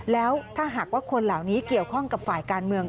แล้วถ้าหากว่าคนเหล่านี้เกี่ยวข้องกับฝ่ายการเมือง